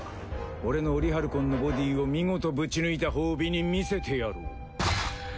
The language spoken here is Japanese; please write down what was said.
俺のオリハルコンのボディーを見事ぶち抜いた褒美に見せてやろう。